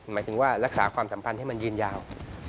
หมายถึงว่ารักษาความสัมพันธ์ให้มันยืนยาว